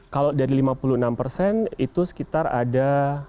kalau dari lima puluh enam persen itu sekitar ada